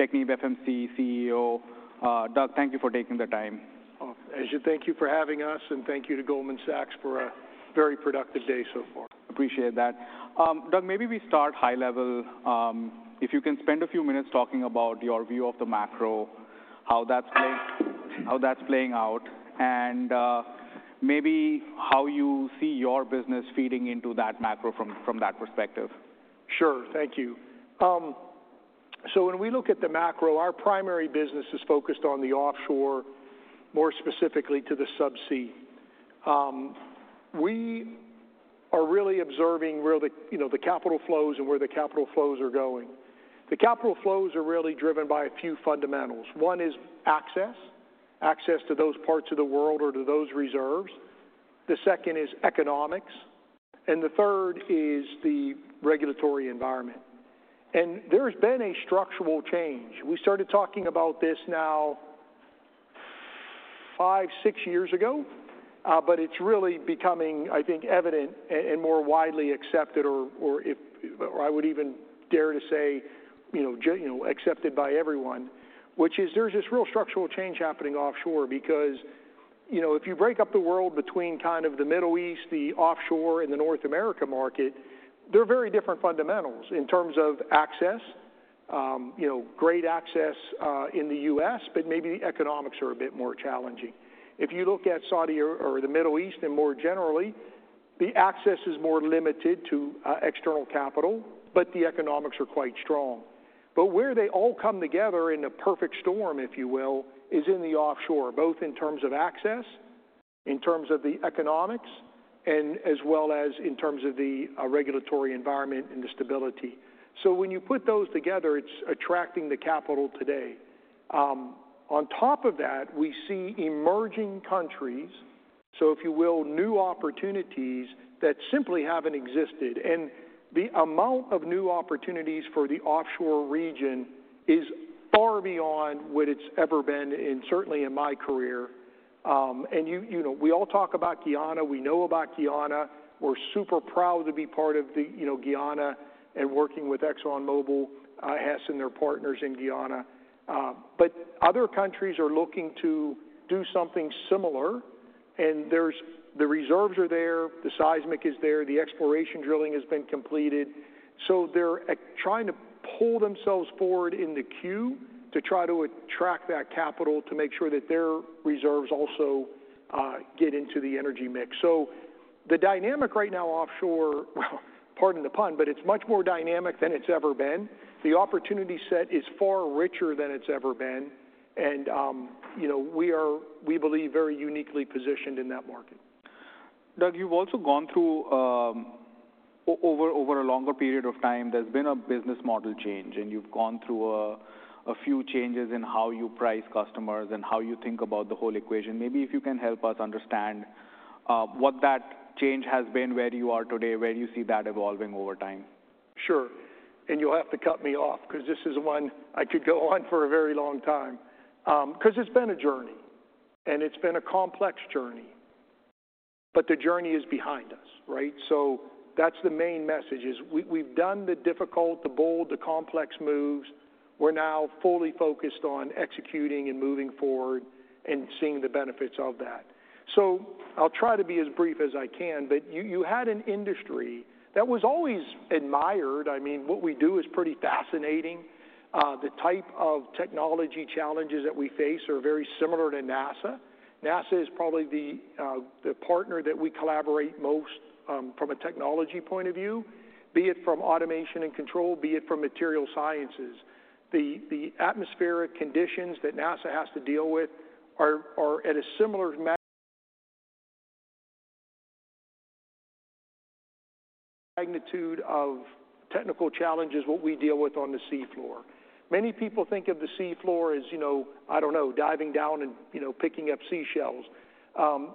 TechnipFMC CEO. Doug, thank you for taking the time. Thank you for having us, and thank you to Goldman Sachs for a very productive day so far. Appreciate that. Doug, maybe we start high level. If you can spend a few minutes talking about your view of the macro, how that's playing out, and, maybe how you see your business feeding into that macro from that perspective. Sure, thank you. So when we look at the macro, our primary business is focused on the offshore, more specifically to the subsea. We are really observing where the, you know, the capital flows and where the capital flows are going. The capital flows are really driven by a few fundamentals. One is access, access to those parts of the world or to those reserves. The second is economics. And the third is the regulatory environment. And there's been a structural change. We started talking about this now five, six years ago, but it's really becoming, I think, evident and more widely accepted, or I would even dare to say, you know, accepted by everyone, which is there's this real structural change happening offshore because, you know, if you break up the world between kind of the Middle East, the offshore, and the North America market, they're very different fundamentals in terms of access, you know, great access in the U.S., but maybe the economics are a bit more challenging. If you look at Saudi or the Middle East and more generally, the access is more limited to external capital, but the economics are quite strong. But where they all come together in a perfect storm, if you will, is in the offshore, both in terms of access, in terms of the economics, and as well as in terms of the regulatory environment and the stability. So when you put those together, it's attracting the capital today. On top of that, we see emerging countries, so if you will, new opportunities that simply haven't existed. And the amount of new opportunities for the offshore region is far beyond what it's ever been in, certainly in my career. And you know, we all talk about Guyana. We know about Guyana. We're super proud to be part of the, you know, Guyana and working with ExxonMobil, Hess and their partners in Guyana. But other countries are looking to do something similar, and the reserves are there, the seismic is there, the exploration drilling has been completed. So they're trying to pull themselves forward in the queue to try to attract that capital to make sure that their reserves also get into the energy mix. So the dynamic right now offshore, well, pardon the pun, but it's much more dynamic than it's ever been. The opportunity set is far richer than it's ever been. And, you know, we are, we believe, very uniquely positioned in that market. Doug, you've also gone through, over a longer period of time, there's been a business model change, and you've gone through a few changes in how you price customers and how you think about the whole equation. Maybe if you can help us understand what that change has been, where you are today, where you see that evolving over time. Sure. And you'll have to cut me off 'cause this is one I could go on for a very long time. 'cause it's been a journey, and it's been a complex journey, but the journey is behind us, right? So that's the main message is we, we've done the difficult, the bold, the complex moves. We're now fully focused on executing and moving forward and seeing the benefits of that. So I'll try to be as brief as I can, but you, you had an industry that was always admired. I mean, what we do is pretty fascinating. The type of technology challenges that we face are very similar to NASA. NASA is probably the, the partner that we collaborate most, from a technology point of view, be it from automation and control, be it from material sciences. The atmospheric conditions that NASA has to deal with are at a similar magnitude of technical challenges what we deal with on the seafloor. Many people think of the seafloor as, you know, I don't know, diving down and, you know, picking up seashells.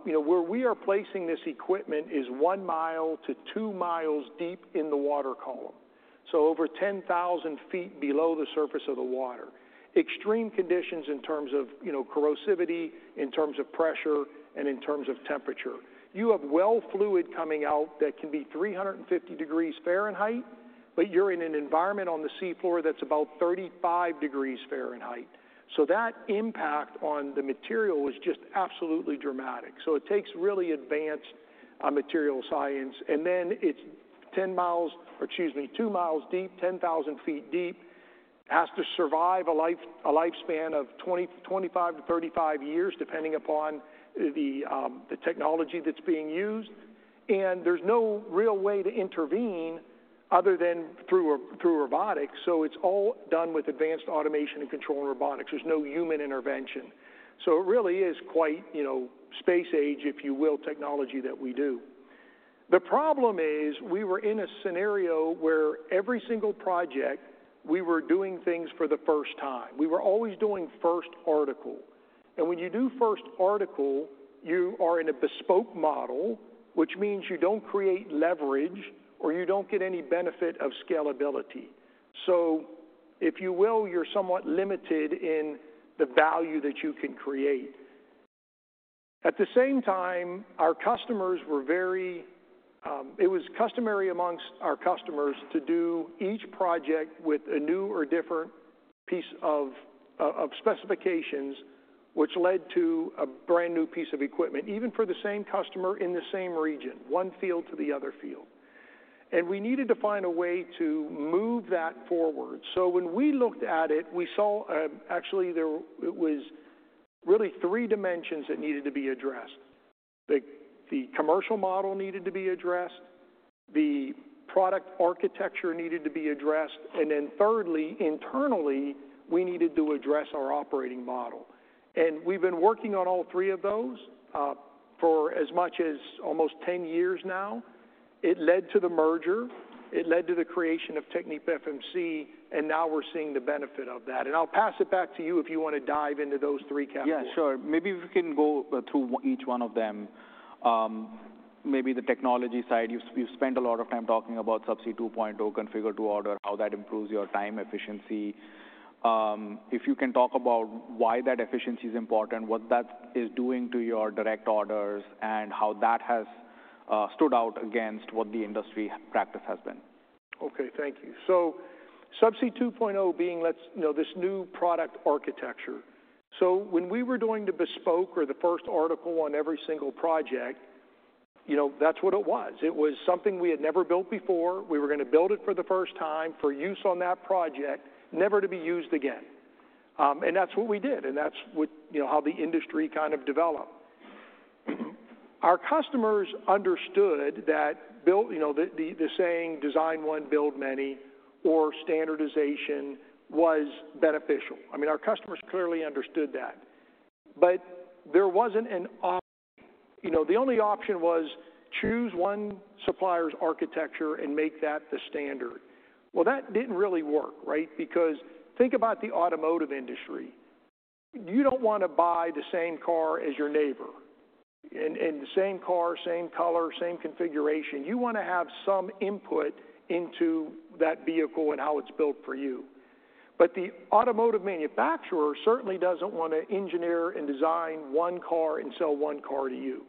You know, where we are placing this equipment is one mile to two miles deep in the water column, so over 10,000 feet below the surface of the water. Extreme conditions in terms of, you know, corrosivity, in terms of pressure, and in terms of temperature. You have well fluid coming out that can be 350 degrees Fahrenheit, but you're in an environment on the seafloor that's about 35 degrees Fahrenheit. So that impact on the material is just absolutely dramatic. So it takes really advanced material science. And then it's 10 mi, or excuse me, two miles deep, 10,000 feet deep, has to survive a life, a lifespan of 20, 25-35 years depending upon the technology that's being used. And there's no real way to intervene other than through robotics. So it's all done with advanced automation and control and robotics. There's no human intervention. So it really is quite, you know, space age, if you will, technology that we do. The problem is we were in a scenario where every single project we were doing things for the first time. We were always doing first article. And when you do first article, you are in a bespoke model, which means you don't create leverage or you don't get any benefit of scalability. So if you will, you're somewhat limited in the value that you can create. At the same time, it was customary among our customers to do each project with a new or different piece of specifications, which led to a brand new piece of equipment, even for the same customer in the same region, one field to the other field, and we needed to find a way to move that forward, so when we looked at it, we saw, actually, there it was really three dimensions that needed to be addressed. The commercial model needed to be addressed, the product architecture needed to be addressed, and then thirdly, internally, we needed to address our operating model, and we've been working on all three of those, for as much as almost 10 years now. It led to the merger. It led to the creation of TechnipFMC, and now we're seeing the benefit of that. I'll pass it back to you if you wanna dive into those three categories. Yeah, sure. Maybe if you can go through each one of them. Maybe the technology side, you've spent a lot of time talking about Subsea 2.0, Configured to Order, how that improves your time efficiency. If you can talk about why that efficiency is important, what that is doing to your direct orders, and how that has stood out against what the industry practice has been. Okay, thank you. So Subsea 2.0 being, let's, you know, this new product architecture. So when we were doing the bespoke or the first article on every single project, you know, that's what it was. It was something we had never built before. We were gonna build it for the first time for use on that project, never to be used again, and that's what we did, and that's what, you know, how the industry kind of developed. Our customers understood that build, you know, the saying design one, build many, or standardization was beneficial. I mean, our customers clearly understood that. But there wasn't an option. You know, the only option was choose one supplier's architecture and make that the standard. Well, that didn't really work, right? Because think about the automotive industry. You don't wanna buy the same car as your neighbor, and the same car, same color, same configuration. You wanna have some input into that vehicle and how it's built for you. But the automotive manufacturer certainly doesn't wanna engineer and design one car and sell one car to you.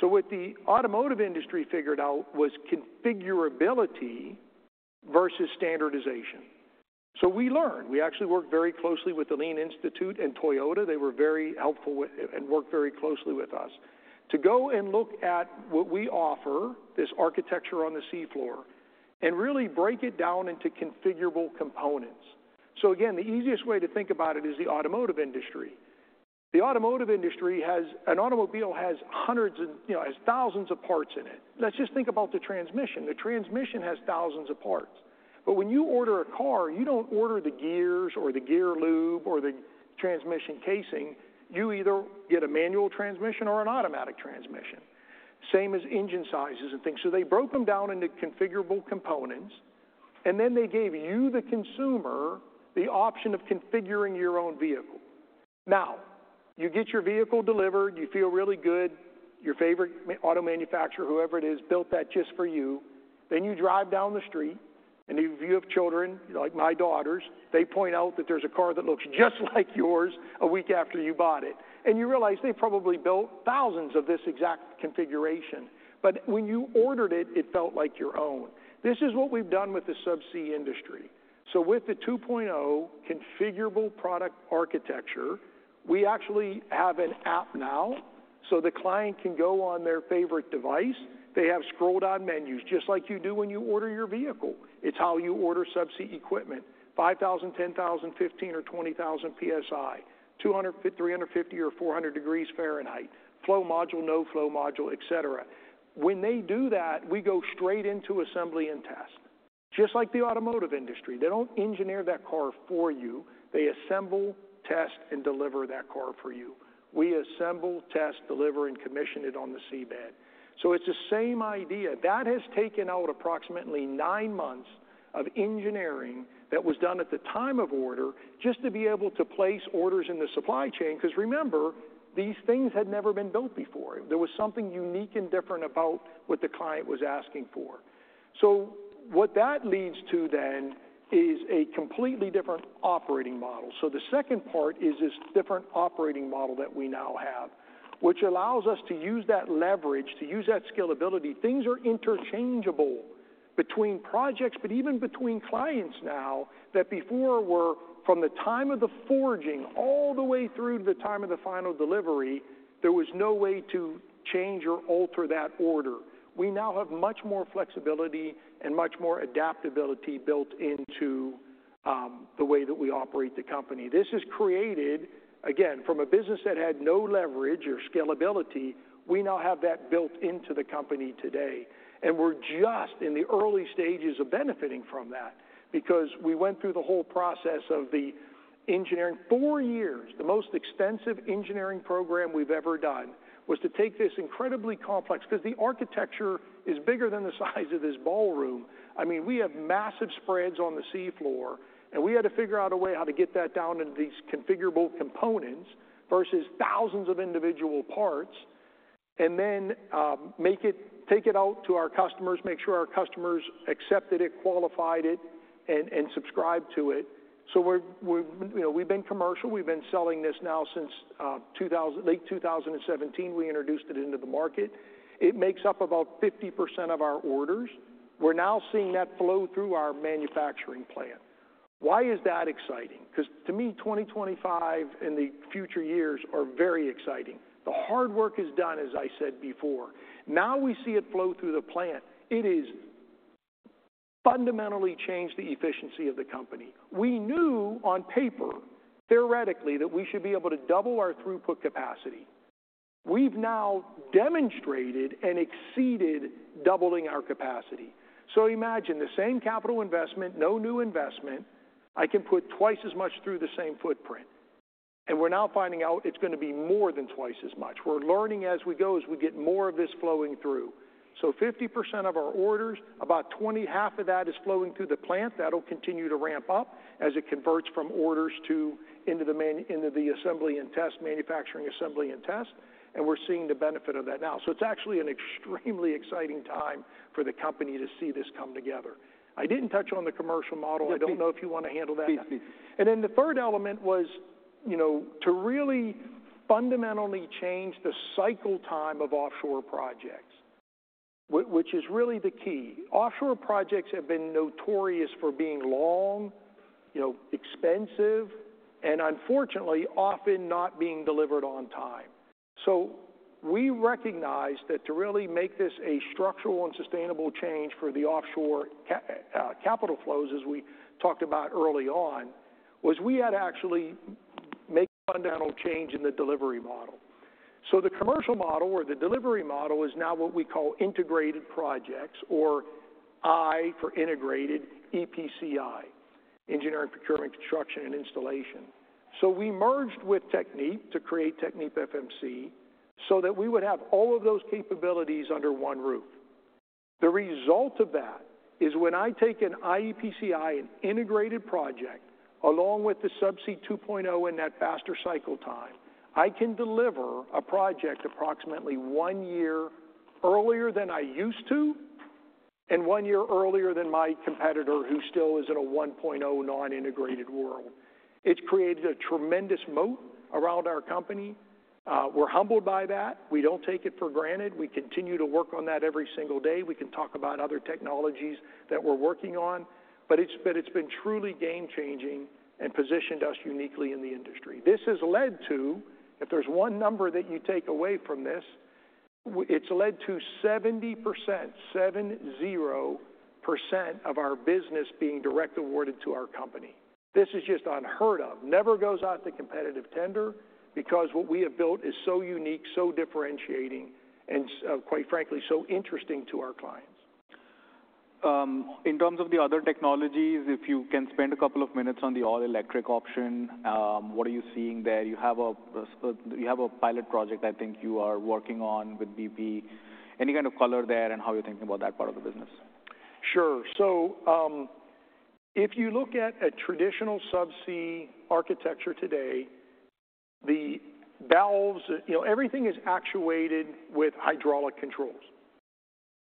So what the automotive industry figured out was configurability versus standardization. So we learned. We actually worked very closely with the Lean Institute and Toyota. They were very helpful and worked very closely with us to go and look at what we offer, this architecture on the seafloor, and really break it down into configurable components. So again, the easiest way to think about it is the automotive industry. The automotive industry has an automobile, has hundreds and, you know, has thousands of parts in it. Let's just think about the transmission. The transmission has thousands of parts. But when you order a car, you don't order the gears or the gear lube or the transmission casing. You either get a manual transmission or an automatic transmission, same as engine sizes and things. So they broke them down into configurable components, and then they gave you, the consumer, the option of configuring your own vehicle. Now, you get your vehicle delivered, you feel really good, your favorite auto manufacturer, whoever it is, built that just for you. Then you drive down the street, and if you have children, like my daughters, they point out that there's a car that looks just like yours a week after you bought it. And you realize they probably built thousands of this exact configuration. But when you ordered it, it felt like your own. This is what we've done with the subsea industry. So with the 2.0 configurable product architecture, we actually have an app now, so the client can go on their favorite device. They have scroll-down menus just like you do when you order your vehicle. It's how you order subsea equipment: 5,000, 10,000, 15,000, or 20,000 PSI, 200, 350, or 400 degrees Fahrenheit, flow module, no flow module, etc. When they do that, we go straight into assembly and test. Just like the automotive industry, they don't engineer that car for you. They assemble, test, and deliver that car for you. We assemble, test, deliver, and commission it on the seabed. So it's the same idea. That has taken out approximately nine months of engineering that was done at the time of order just to be able to place orders in the supply chain 'cause remember, these things had never been built before. There was something unique and different about what the client was asking for. So what that leads to then is a completely different operating model. So the second part is this different operating model that we now have, which allows us to use that leverage, to use that scalability. Things are interchangeable between projects, but even between clients now that before were from the time of the forging all the way through to the time of the final delivery, there was no way to change or alter that order. We now have much more flexibility and much more adaptability built into the way that we operate the company. This is created, again, from a business that had no leverage or scalability. We now have that built into the company today. We're just in the early stages of benefiting from that because we went through the whole process of the engineering. Four years, the most extensive engineering program we've ever done was to take this incredibly complex 'cause the architecture is bigger than the size of this ballroom. I mean, we have massive spreads on the seafloor, and we had to figure out a way how to get that down into these configurable components versus thousands of individual parts and then make it, take it out to our customers, make sure our customers accepted it, qualified it, and subscribed to it. We're, we've, you know, we've been commercial. We've been selling this now since 2017, late 2017. We introduced it into the market. It makes up about 50% of our orders. We're now seeing that flow through our manufacturing plant. Why is that exciting? 'Cause to me, 2025 and the future years are very exciting. The hard work is done, as I said before. Now we see it flow through the plant. It has fundamentally changed the efficiency of the company. We knew on paper, theoretically, that we should be able to double our throughput capacity. We've now demonstrated and exceeded doubling our capacity. So imagine the same capital investment, no new investment. I can put twice as much through the same footprint. And we're now finding out it's gonna be more than twice as much. We're learning as we go as we get more of this flowing through. So 50% of our orders, about 20, half of that is flowing through the plant. That'll continue to ramp up as it converts from orders into the manufacturing assembly and test. We're seeing the benefit of that now. It's actually an extremely exciting time for the company to see this come together. I didn't touch on the commercial model. I don't know if you wanna handle that. Please, please. And then the third element was, you know, to really fundamentally change the cycle time of offshore projects, which is really the key. Offshore projects have been notorious for being long, you know, expensive, and unfortunately, often not being delivered on time. So we recognized that to really make this a structural and sustainable change for the offshore capital flows, as we talked about early on, was we had actually make a fundamental change in the delivery model. So the commercial model or the delivery model is now what we call integrated projects, or I for integrated EPCI, Engineering, Procurement, Construction, and Installation. So we merged with Technip to create TechnipFMC so that we would have all of those capabilities under one roof. The result of that is when I take an iEPCI, an integrated project, along with the Subsea 2.0 and that faster cycle time, I can deliver a project approximately one year earlier than I used to and one year earlier than my competitor who still is in a 1.0 non-integrated world. It's created a tremendous moat around our company. We're humbled by that. We don't take it for granted. We continue to work on that every single day. We can talk about other technologies that we're working on, but it's, but it's been truly game-changing and positioned us uniquely in the industry. This has led to, if there's one number that you take away from this, it's led to 70%, 70% of our business being directly awarded to our company. This is just unheard of. Never goes out to competitive tender because what we have built is so unique, so differentiating, and, quite frankly, so interesting to our clients. In terms of the other technologies, if you can spend a couple of minutes on the all-electric option, what are you seeing there? You have a pilot project I think you are working on with BP. Any kind of color there and how you're thinking about that part of the business? Sure. So, if you look at a traditional subsea architecture today, the valves, you know, everything is actuated with hydraulic controls.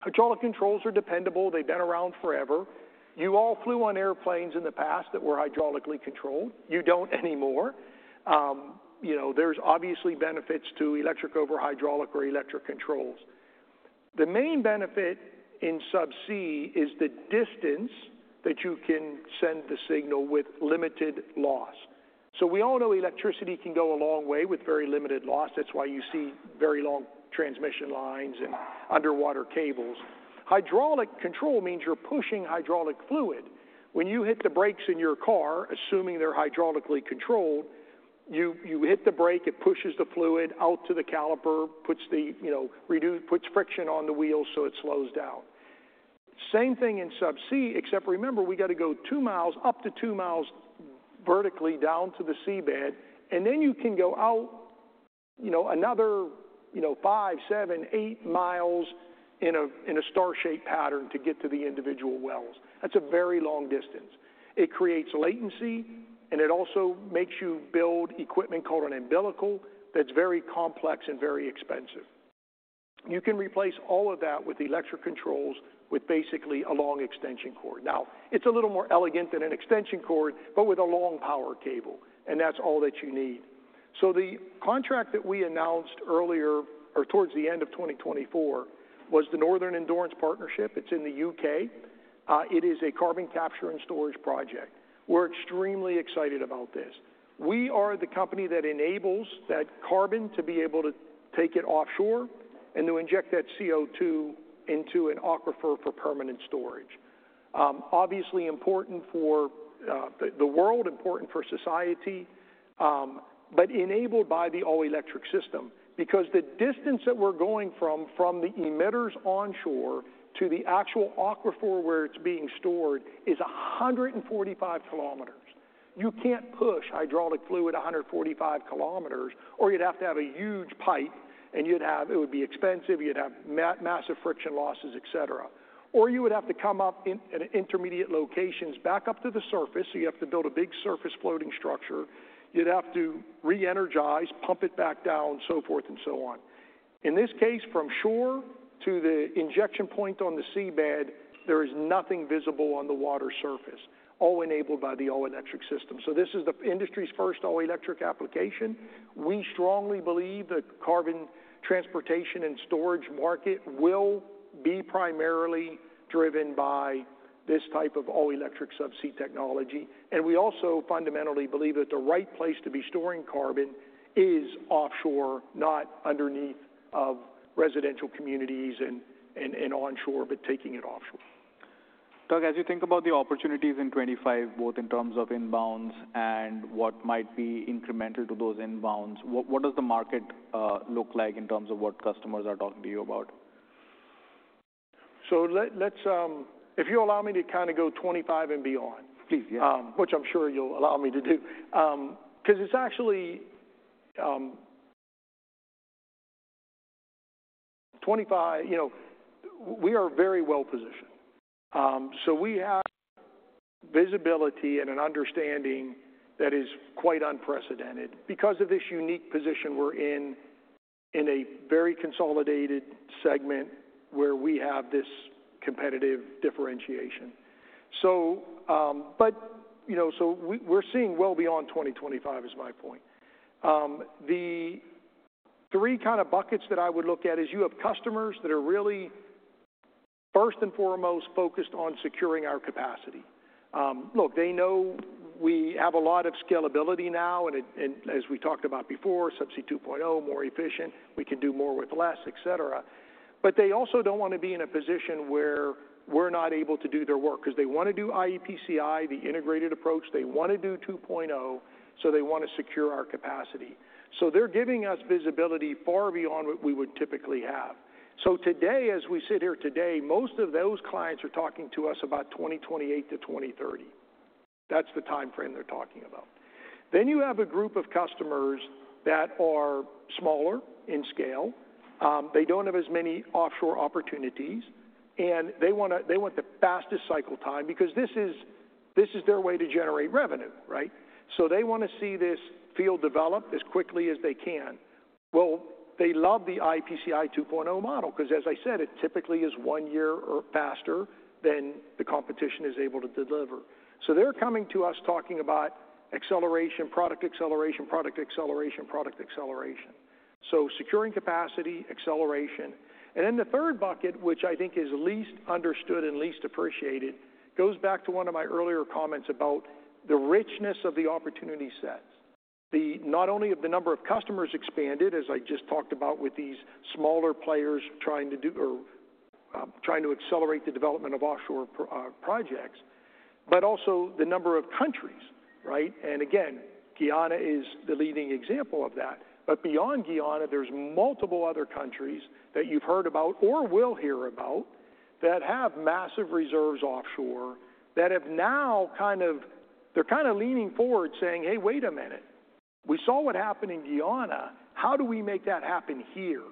Hydraulic controls are dependable. They've been around forever. You all flew on airplanes in the past that were hydraulically controlled. You don't anymore. You know, there's obviously benefits to electric over hydraulic or electric controls. The main benefit in subsea is the distance that you can send the signal with limited loss. So we all know electricity can go a long way with very limited loss. That's why you see very long transmission lines and underwater cables. Hydraulic control means you're pushing hydraulic fluid. When you hit the brakes in your car, assuming they're hydraulically controlled, you hit the brake, it pushes the fluid out to the caliper, puts the, you know, puts friction on the wheel so it slows down. Same thing in subsea, except remember, we gotta go two miles up to two miles vertically down to the seabed, and then you can go out, you know, another, you know, five, seven, eight miles in a, in a star-shaped pattern to get to the individual wells. That's a very long distance. It creates latency, and it also makes you build equipment called an umbilical that's very complex and very expensive. You can replace all of that with electric controls with basically a long extension cord. Now, it's a little more elegant than an extension cord, but with a long power cable, and that's all that you need. So the contract that we announced earlier or towards the end of 2024 was the Northern Endurance Partnership. It's in the U.K. It is a carbon capture and storage project. We're extremely excited about this. We are the company that enables that carbon to be able to take it offshore and to inject that CO2 into an aquifer for permanent storage. Obviously important for the world, important for society, but enabled by the all-electric system because the distance that we're going from the emitters onshore to the actual aquifer where it's being stored is 145 km. You can't push hydraulic fluid 145 km, or you'd have to have a huge pipe, and you'd have it would be expensive. You'd have massive friction losses, etc. Or you would have to come up in intermediate locations back up to the surface, so you have to build a big surface floating structure. You'd have to re-energize, pump it back down, so forth and so on. In this case, from shore to the injection point on the seabed, there is nothing visible on the water surface, all enabled by the all-electric system. So this is the industry's first all-electric application. We strongly believe the carbon transportation and storage market will be primarily driven by this type of all-electric subsea technology. And we also fundamentally believe that the right place to be storing carbon is offshore, not underneath of residential communities and onshore, but taking it offshore. Doug, as you think about the opportunities in 2025, both in terms of inbounds and what might be incremental to those inbounds, what does the market look like in terms of what customers are talking to you about? Let's, if you'll allow me to kinda go 2025 and beyond. Please, yeah. which I'm sure you'll allow me to do, 'cause it's actually '25, you know. We are very well-positioned. So we have visibility and an understanding that is quite unprecedented because of this unique position we're in, in a very consolidated segment where we have this competitive differentiation. So, but, you know, so we, we're seeing well beyond 2025 is my point. The three kinda buckets that I would look at is you have customers that are really, first and foremost, focused on securing our capacity. Look, they know we have a lot of scalability now, and as we talked about before, Subsea 2.0, more efficient, we can do more with less, etc. But they also don't wanna be in a position where we're not able to do their work 'cause they wanna do iEPCI, the integrated approach. They wanna do 2.0, so they wanna secure our capacity. So they're giving us visibility far beyond what we would typically have. So today, as we sit here today, most of those clients are talking to us about 2028-2030. That's the timeframe they're talking about. Then you have a group of customers that are smaller in scale. they don't have as many offshore opportunities, and they wanna, they want the fastest cycle time because this is, this is their way to generate revenue, right? So they wanna see this field develop as quickly as they can. Well, they love the iEPCI 2.0 model 'cause, as I said, it typically is one year or faster than the competition is able to deliver. So they're coming to us talking about acceleration, product acceleration, product acceleration, product acceleration. So securing capacity, acceleration. And then the third bucket, which I think is least understood and least appreciated, goes back to one of my earlier comments about the richness of the opportunity sets, the not only of the number of customers expanded, as I just talked about with these smaller players trying to accelerate the development of offshore projects, but also the number of countries, right? And again, Guyana is the leading example of that. But beyond Guyana, there's multiple other countries that you've heard about or will hear about that have massive reserves offshore that have now kind of they're kinda leaning forward saying, "Hey, wait a minute. We saw what happened in Guyana. How do we make that happen here?"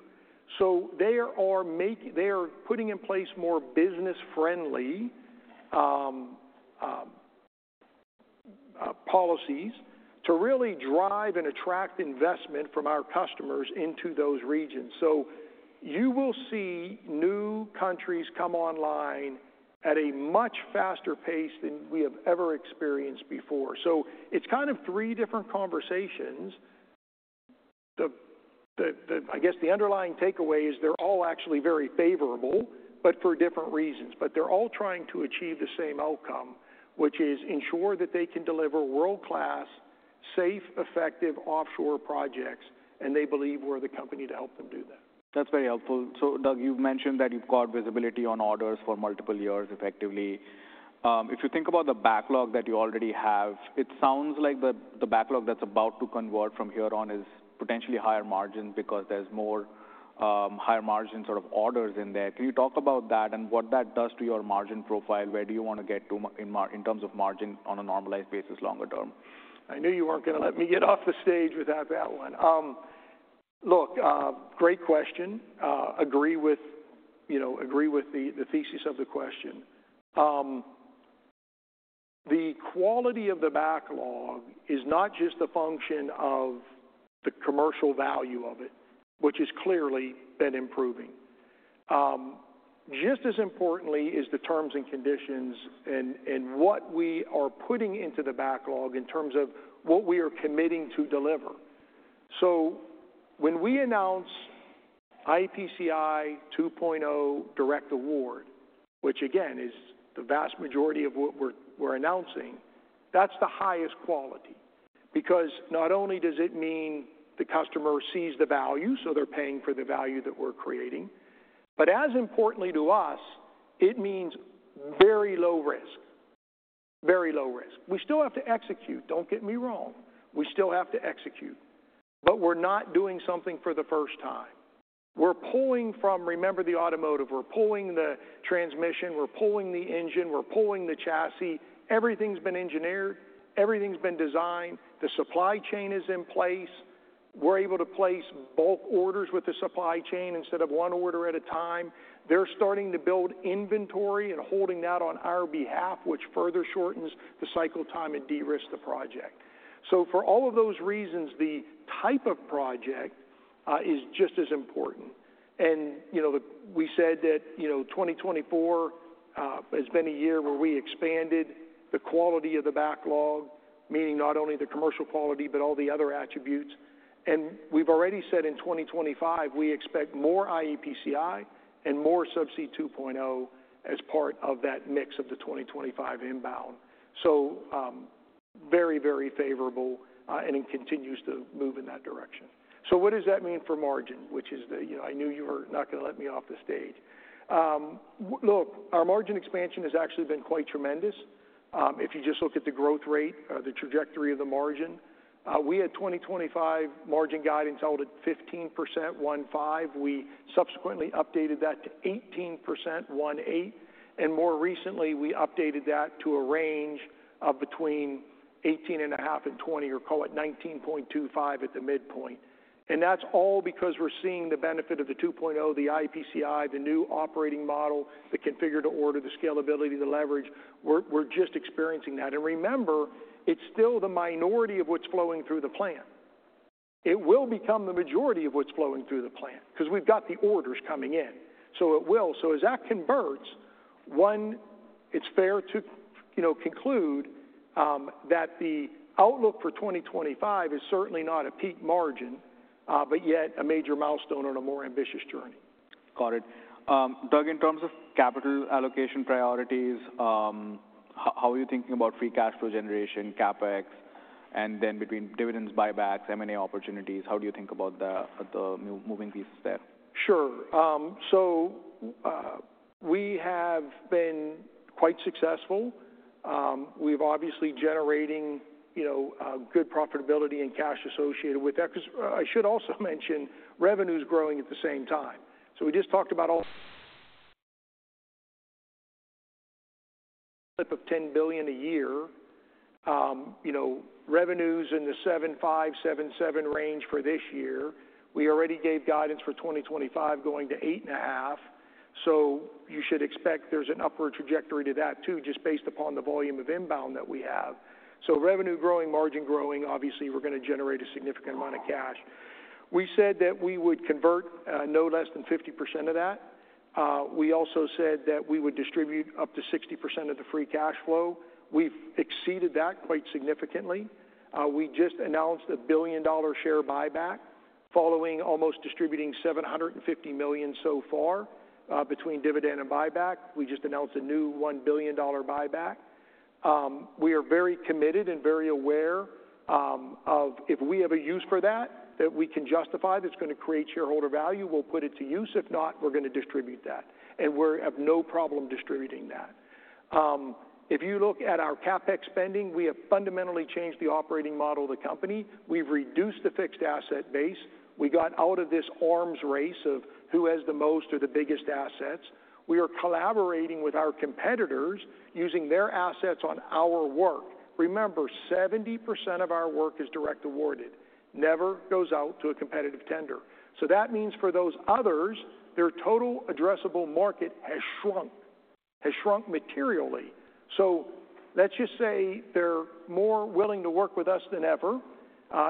So they are putting in place more business-friendly policies to really drive and attract investment from our customers into those regions. So you will see new countries come online at a much faster pace than we have ever experienced before. So it's kind of three different conversations. I guess the underlying takeaway is they're all actually very favorable, but for different reasons. But they're all trying to achieve the same outcome, which is ensure that they can deliver world-class, safe, effective offshore projects, and they believe we're the company to help them do that. That's very helpful. So, Doug, you've mentioned that you've got visibility on orders for multiple years effectively. If you think about the backlog that you already have, it sounds like the backlog that's about to convert from here on is potentially higher margin because there's more higher margin sort of orders in there. Can you talk about that and what that does to your margin profile? Where do you wanna get to in terms of margin on a normalized basis longer term? I knew you weren't gonna let me get off the stage without that one. Look, great question. Agree with, you know, agree with the, the thesis of the question. The quality of the backlog is not just a function of the commercial value of it, which has clearly been improving. Just as importantly is the terms and conditions and, and what we are putting into the backlog in terms of what we are committing to deliver. So when we announce IEPCI 2.0 direct award, which again is the vast majority of what we're, we're announcing, that's the highest quality because not only does it mean the customer sees the value, so they're paying for the value that we're creating, but as importantly to us, it means very low risk, very low risk. We still have to execute. Don't get me wrong. We still have to execute, but we're not doing something for the first time. We're pulling from, remember the automotive, we're pulling the transmission, we're pulling the engine, we're pulling the chassis. Everything's been engineered. Everything's been designed. The supply chain is in place. We're able to place bulk orders with the supply chain instead of one order at a time. They're starting to build inventory and holding that on our behalf, which further shortens the cycle time and de-risk the project. So for all of those reasons, the type of project is just as important. And, you know, the, we said that, you know, 2024 has been a year where we expanded the quality of the backlog, meaning not only the commercial quality but all the other attributes. And we've already said in 2025, we expect more iEPCI and more Subsea 2.0 as part of that mix of the 2025 inbound. So, very, very favorable, and it continues to move in that direction. So what does that mean for margin, which is the, you know, I knew you were not gonna let me off the stage? Look, our margin expansion has actually been quite tremendous. If you just look at the growth rate, the trajectory of the margin, we had 2025 margin guidance held at 15%, 15.5%. We subsequently updated that to 18%, 18.5%. And more recently, we updated that to a range of between 18.5% and 20%, or call it 19.25% at the midpoint. And that's all because we're seeing the benefit of the 2.0, the iEPCI, the new operating model, the configured to order, the scalability, the leverage. We're just experiencing that. And remember, it's still the minority of what's flowing through the plant. It will become the majority of what's flowing through the plant 'cause we've got the orders coming in. So it will. So as that converts, one, it's fair to, you know, conclude, that the outlook for 2025 is certainly not a peak margin, but yet a major milestone on a more ambitious journey. Got it. Doug, in terms of capital allocation priorities, how are you thinking about free cash flow generation, CapEx, and then between dividends, buybacks, M&A opportunities? How do you think about the moving pieces there? Sure. So, we have been quite successful. We've obviously been generating, you know, good profitability and cash associated with that 'cause, I should also mention revenues growing at the same time. So we just talked about all of the flip of $10 billion a year. You know, revenues in the $7.5-$7.7 billion range for this year. We already gave guidance for 2025 going to $8.5 billion. So you should expect there's an upward trajectory to that too, just based upon the volume of inbound that we have. So revenue growing, margin growing, obviously, we're gonna generate a significant amount of cash. We said that we would convert no less than 50% of that. We also said that we would distribute up to 60% of the free cash flow. We've exceeded that quite significantly. We just announced a $1 billion share buyback following almost distributing $750 million so far, between dividend and buyback. We just announced a new $1 billion buyback. We are very committed and very aware of if we have a use for that that we can justify that's gonna create shareholder value, we'll put it to use. If not, we're gonna distribute that. And we have no problem distributing that. If you look at our CapEx spending, we have fundamentally changed the operating model of the company. We've reduced the fixed asset base. We got out of this arms race of who has the most or the biggest assets. We are collaborating with our competitors using their assets on our work. Remember, 70% of our work is direct awarded. Never goes out to a competitive tender. So that means for those others, their total addressable market has shrunk materially. So let's just say they're more willing to work with us than ever,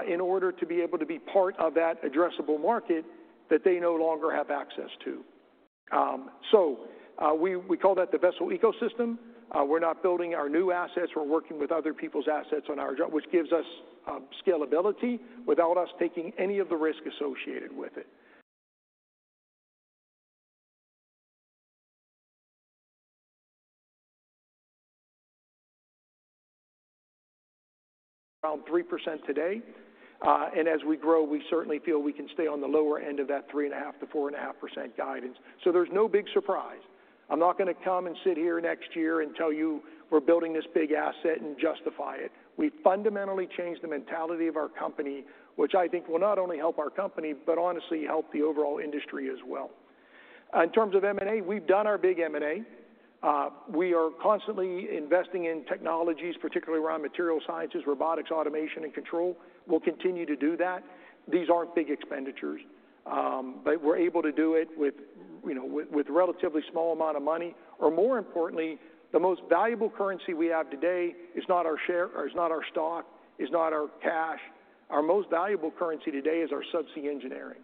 in order to be able to be part of that addressable market that they no longer have access to. So, we call that the vessel ecosystem. We're not building our new assets. We're working with other people's assets on our job, which gives us scalability without us taking any of the risk associated with it. Around 3% today. And as we grow, we certainly feel we can stay on the lower end of that 3.5%-4.5% guidance. So there's no big surprise. I'm not gonna come and sit here next year and tell you we're building this big asset and justify it. We've fundamentally changed the mentality of our company, which I think will not only help our company but honestly help the overall industry as well. In terms of M&A, we've done our big M&A. We are constantly investing in technologies, particularly around material sciences, robotics, automation, and control. We'll continue to do that. These aren't big expenditures, but we're able to do it with, you know, a relatively small amount of money. Or more importantly, the most valuable currency we have today is not our share, is not our stock, is not our cash. Our most valuable currency today is our subsea engineering.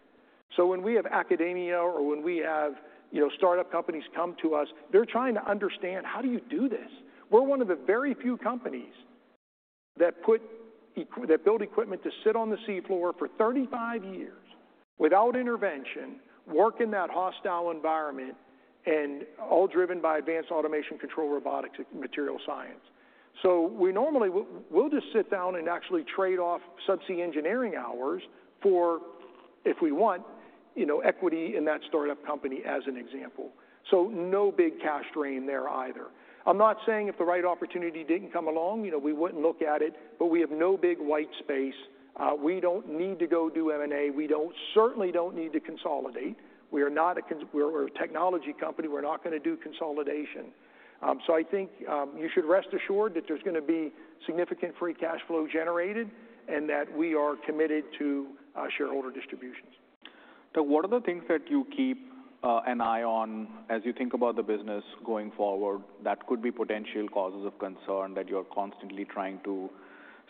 So when we have academia or when we have, you know, startup companies come to us, they're trying to understand, "How do you do this?" We're one of the very few companies that build equipment to sit on the sea floor for 35 years without intervention, work in that hostile environment, and all driven by advanced automation, control, robotics, and material science. So we normally we'll just sit down and actually trade off subsea engineering hours for, if we want, you know, equity in that startup company as an example. So no big cash drain there either. I'm not saying if the right opportunity didn't come along, you know, we wouldn't look at it, but we have no big white space. We don't need to go do M&A. We certainly don't need to consolidate. We are not a consolidator, we're a technology company. We're not gonna do consolidation. So I think you should rest assured that there's gonna be significant free cash flow generated and that we are committed to shareholder distributions. Doug, what are the things that you keep an eye on as you think about the business going forward that could be potential causes of concern that you're constantly trying to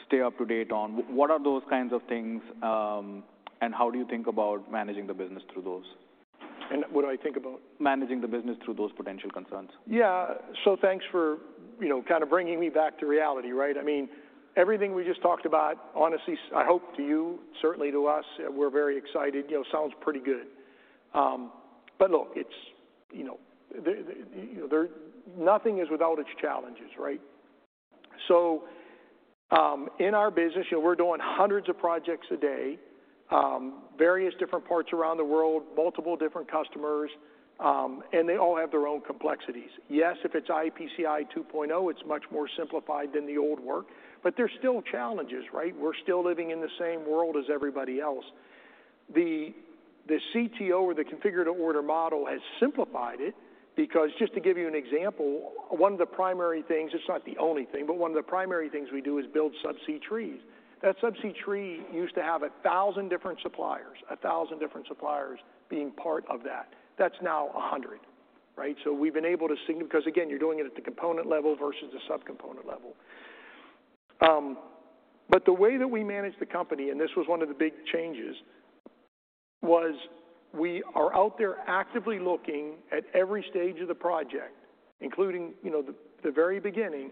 stay up to date on? What are those kinds of things, and how do you think about managing the business through those? What do I think about? Managing the business through those potential concerns. Yeah. So thanks for, you know, kinda bringing me back to reality, right? I mean, everything we just talked about, honestly, I hope to you, certainly to us, we're very excited. You know, sounds pretty good, but look, it's, you know, there's nothing without its challenges, right? So, in our business, you know, we're doing hundreds of projects a day, various different parts around the world, multiple different customers, and they all have their own complexities. Yes, if it's iEPCI 2.0, it's much more simplified than the old work, but there's still challenges, right? We're still living in the same world as everybody else. The CTO or the configured Order model has simplified it because just to give you an example, one of the primary things, it's not the only thing, but one of the primary things we do is build subsea trees. That subsea tree used to have 1,000 different suppliers, 1,000 different suppliers being part of that. That's now 100, right? So we've been able to so 'cause again, you're doing it at the component level versus the subcomponent level. But the way that we manage the company, and this was one of the big changes, was we are out there actively looking at every stage of the project, including, you know, the very beginning,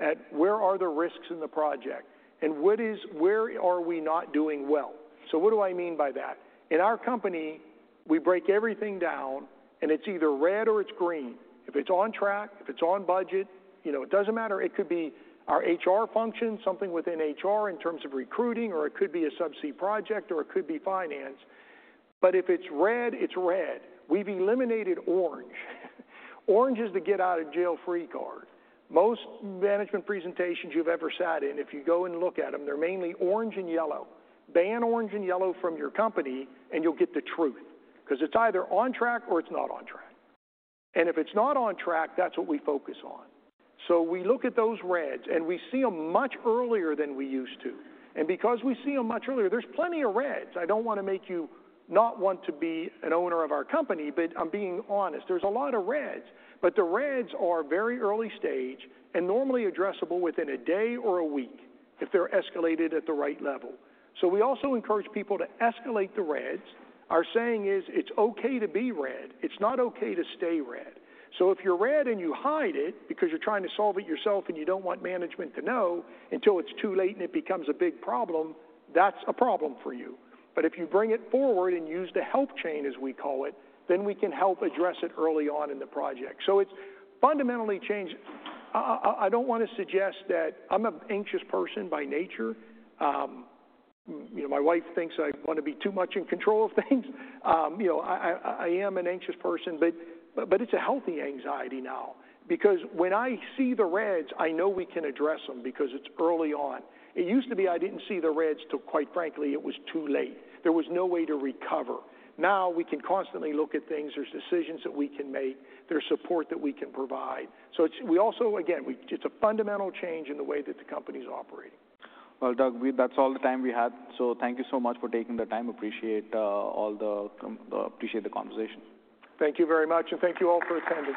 at where are the risks in the project and what is where are we not doing well. So what do I mean by that? In our company, we break everything down, and it's either red or it's green. If it's on track, if it's on budget, you know, it doesn't matter. It could be our HR function, something within HR in terms of recruiting, or it could be a subsea project, or it could be finance. But if it's red, it's red. We've eliminated orange. Orange is the get out of jail free card. Most management presentations you've ever sat in, if you go and look at them, they're mainly orange and yellow. Ban orange and yellow from your company, and you'll get the truth 'cause it's either on track or it's not on track. And if it's not on track, that's what we focus on. So we look at those reds, and we see them much earlier than we used to. And because we see them much earlier, there's plenty of reds. I don't wanna make you not want to be an owner of our company, but I'm being honest. There's a lot of reds, but the reds are very early stage and normally addressable within a day or a week if they're escalated at the right level. So we also encourage people to escalate the reds. Our saying is, "It's okay to be red. It's not okay to stay red." So if you're red and you hide it because you're trying to solve it yourself and you don't want management to know until it's too late and it becomes a big problem, that's a problem for you. But if you bring it forward and use the help chain, as we call it, then we can help address it early on in the project. So it's fundamentally changed. I don't wanna suggest that I'm an anxious person by nature. You know, my wife thinks I wanna be too much in control of things. You know, I am an anxious person, but it's a healthy anxiety now because when I see the reds, I know we can address them because it's early on. It used to be I didn't see the reds till, quite frankly, it was too late. There was no way to recover. Now we can constantly look at things. There's decisions that we can make. There's support that we can provide. So it's also, again, a fundamental change in the way that the company's operating. Doug, that's all the time we had. So thank you so much for taking the time. Appreciate all the comments. Appreciate the conversation. Thank you very much, and thank you all for attending.